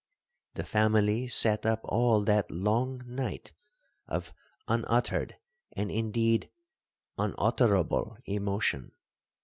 The family sat up all that long night of unuttered, and indeed unutterable emotion.